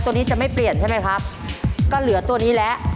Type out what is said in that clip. ตัวนี้จะไม่เปลี่ยนใช่ไหมครับก็เหลือตัวนี้แล้ว